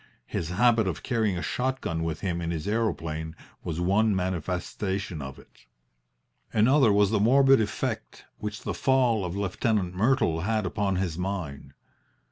His habit of carrying a shot gun with him in his aeroplane was one manifestation of it. Another was the morbid effect which the fall of Lieutenant Myrtle had upon his mind.